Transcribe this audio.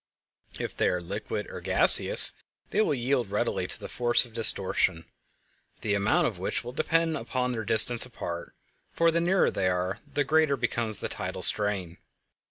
If they are liquid or gaseous they will yield readily to the force of distortion, the amount of which will depend upon their distance apart, for the nearer they are the greater becomes the tidal strain.